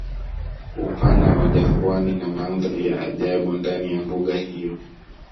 Upana wa jangwani na Mandhari ya ajabu ndani ya mbuga hiyo